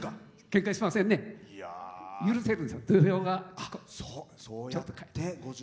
許せるんですよ。